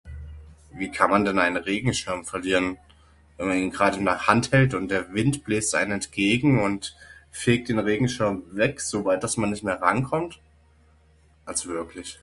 Wie kann man denn einen Regenschirm verlieren? Wenn man Ihn grad in der Hand hält und der Wind bläst ein entgegen und fegt den Regenschirm weg, soweit das man nicht mehr ran kommt? Also wirklich.